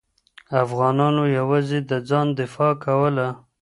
افغانانو یوازې د ځان دفاع کوله.